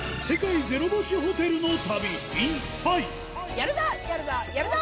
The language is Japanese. やるぞやるぞやるぞ！